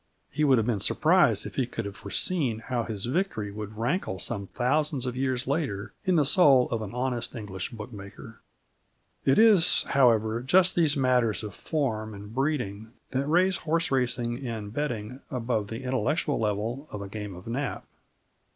He would have been surprised if he could have foreseen how his victory would rankle some thousands of years later in the soul of an honest English bookmaker. It is, however, just these matters of form and breeding that raise horse racing and betting above the intellectual level of a game of nap.